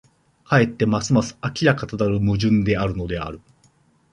かえってますます明らかとなる矛盾であるのである。